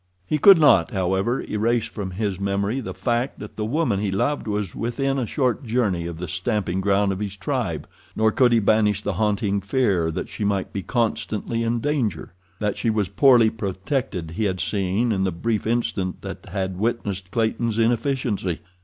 He could not, however, erase from his memory the fact that the woman he loved was within a short journey of the stamping ground of his tribe; nor could he banish the haunting fear that she might be constantly in danger. That she was illy protected he had seen in the brief instant that had witnessed Clayton's inefficiency.